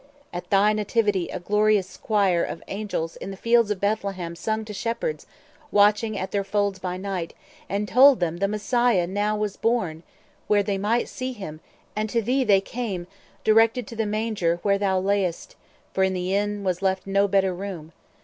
At thy nativity a glorious quire Of Angels, in the fields of Bethlehem, sung To shepherds, watching at their folds by night, And told them the Messiah now was born, Where they might see him; and to thee they came, Directed to the manger where thou lay'st; For in the inn was left no better room.